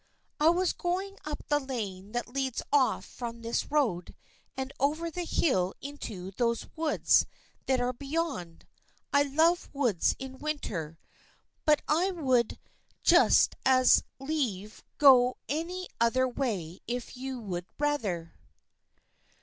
" I was going up the lane that leads off from this road, and over the hill into those woods that are beyond. I love woods in winter. But I would 112 THE FRIENDSHIP OF ANNE just as lieve go any other way if you would rather."